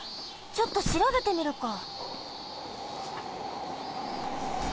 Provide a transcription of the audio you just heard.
ちょっとしらべてみるか。